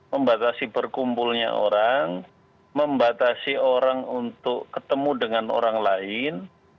membatasi berkumpulnya orang membatasi orang untuk ketemu dengan orang lain